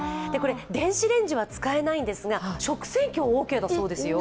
電子レンジは使えないんですが、食洗機はオーケーなんだそうです。